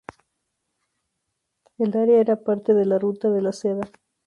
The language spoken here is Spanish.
El área era parte de la Ruta de la Seda.